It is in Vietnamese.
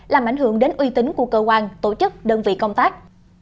làm ảnh hưởng đến uy tín của cơ quan tổ chức đơn vị công tác